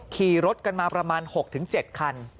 ขี่รถกันมาประมาณ๖๗คัน